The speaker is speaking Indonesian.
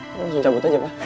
ini langsung cabut aja pak